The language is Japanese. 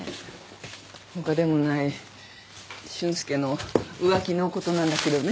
他でもない俊介の浮気のことなんだけどね。